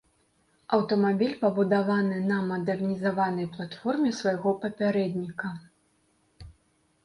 Аўтамабіль пабудаваны на мадэрнізаванай платформе свайго папярэдніка.